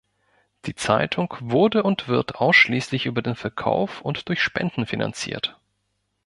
Die Zeitung wurde und wird ausschließlich über den Verkauf und durch Spenden finanziert.